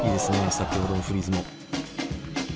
先ほどのフリーズも。